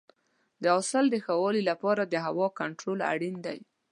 د حاصل د ښه والي لپاره د هوا کنټرول اړین دی.